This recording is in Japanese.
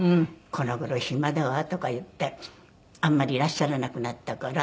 「この頃暇だわ」とか言ってあんまりいらっしゃらなくなったから。